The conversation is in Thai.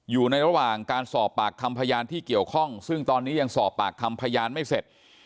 อยู่ในระหว่างการสอบปากคำพยานที่เกี่ยวข้องซึ่งตอนนี้ยังสอบปากคำพยานไม่เสร็จ